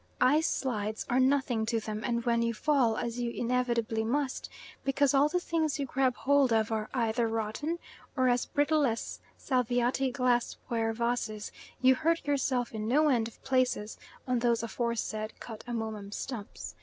Ice slides are nothing to them, and when you fall, as you inevitably must, because all the things you grab hold of are either rotten, or as brittle as Salviati glass ware vases, you hurt yourself in no end of places, on those aforesaid cut amomum stumps.